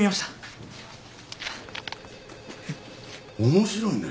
面白いね。